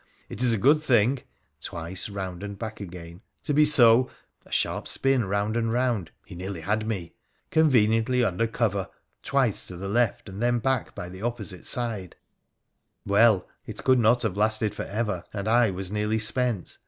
It is a good thing [twice round and back again] to be so [a sharp spin round and round — he nearly had me] conveniently under cover [twice to the left and then back by the opposite side] !' Well, it could not have lasted for ever, and I was nearly spent.